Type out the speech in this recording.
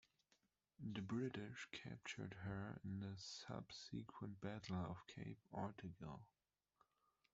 The British captured her in the subsequent Battle of Cape Ortegal.